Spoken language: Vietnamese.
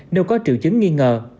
nếu có triệu chứng nghi ngờ